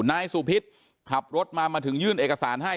นายสุพิษขับรถมามาถึงยื่นเอกสารให้